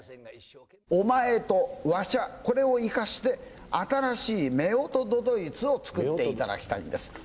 お前とわしゃ、これを生かして新しい夫婦都々逸を作っていただきたいんです。